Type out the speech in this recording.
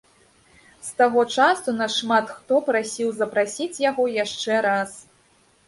З таго часу нас шмат хто прасіў запрасіць яго яшчэ раз.